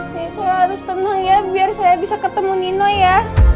oke saya harus tenang ya biar saya bisa ketemu nino ya